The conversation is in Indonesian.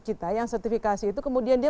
kita yang sertifikasi itu kemudian dia